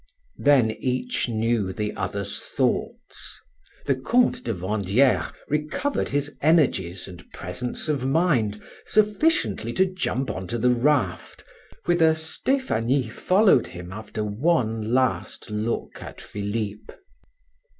Then each knew the other's thoughts. The Comte de Vandieres recovered his energies and presence of mind sufficiently to jump on to the raft, whither Stephanie followed him after one last look at Philip.